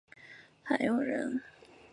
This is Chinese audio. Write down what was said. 韩永人。